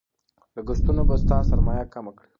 لګښتونه به ستا سرمایه کمه کړي.